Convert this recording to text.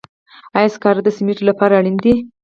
آیا سکاره د سمنټو لپاره اړین دي؟